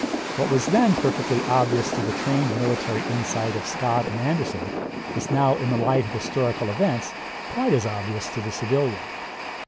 What was then perfectly obvious to the trained military insight of Scott and Anderson is now in the light of historical events quite as obvious to the civilian.